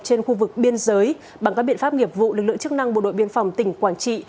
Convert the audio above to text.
trên khu vực biên giới bằng các biện pháp nghiệp vụ lực lượng chức năng bộ đội biên phòng tỉnh quảng trị